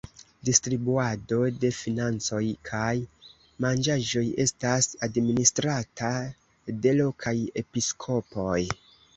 Distribuado de financoj kaj manĝaĵoj estas administrata de lokaj episkopoj.